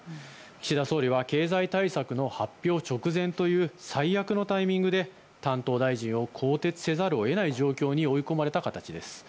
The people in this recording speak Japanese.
岸田総理は経済対策の発表直前という最悪のタイミングで担当大臣を更迭せざるを得ない状況に追い込まれた形です。